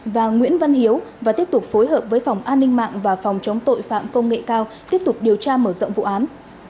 và nguyễn văn hiếu và tiếp tục phối hợp với phòng an ninh mạng và phòng chống tội phạm công nghệ cao tiếp tục điều tra mở rộng vụ án